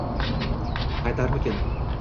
Qaytarmikin?